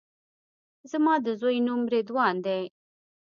زما د زوی نوم رضوان دی